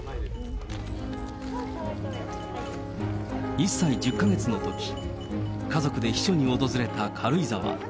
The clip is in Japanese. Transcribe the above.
１歳１０か月のとき、家族で避暑に訪れた軽井沢。